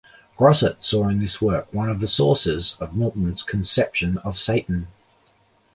Grosart saw in this work one of the sources of Milton's conception of Satan.